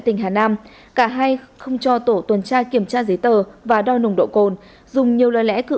tỉnh hà nam cả hai không cho tổ tuần tra kiểm tra giấy tờ và đo nồng độ cồn dùng nhiều lời lẽ cưỡng